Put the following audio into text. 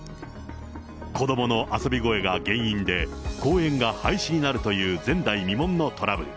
子どもの遊び声が原因で公園が廃止になるという前代未聞のトラブル。